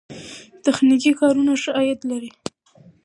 تخنیکي کارونه ښه عاید لري.